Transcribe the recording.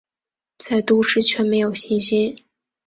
在都市却没有星星